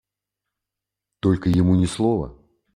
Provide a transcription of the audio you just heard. Только ему ни слова.